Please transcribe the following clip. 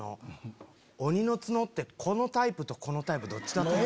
鬼の角ってこのタイプとこのタイプどっちだと思う？